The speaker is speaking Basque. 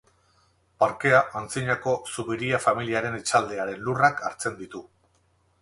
Parkea antzinako Zubiria familiaren etxaldearen lurrak hartzen ditu.